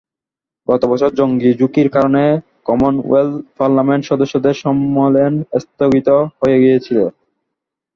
গত বছর জঙ্গি ঝুঁকির কারণে কমনওয়েলথ পার্লামেন্ট সদস্যদের সম্মেলন স্থগিত হয়ে গিয়েছিল।